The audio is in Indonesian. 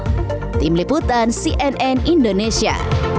tim liputan cnn indonesia